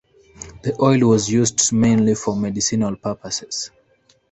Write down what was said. The oil was used mainly for medicinal purposes.